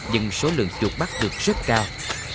nhưng số lượng chuột bắt được rất cao